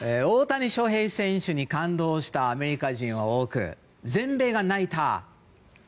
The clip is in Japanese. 大谷翔平選手に感動したアメリカ人は多く全米が泣いた。